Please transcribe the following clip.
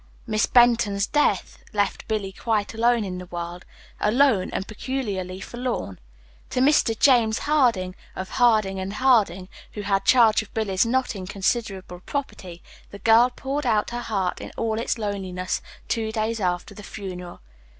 Miss Benton's death left Billy quite alone in the world alone, and peculiarly forlorn. To Mr. James Harding, of Harding & Harding, who had charge of Billy's not inconsiderable property, the girl poured out her heart in all its loneliness two days after the funeral.